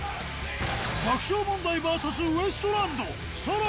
爆笑問題ＶＳウエストランド、さらに。